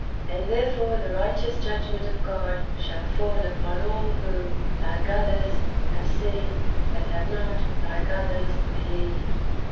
And therefore the righteous judgment of God [shall fall] upon all who, like others, have seen, but have not, like others, believed.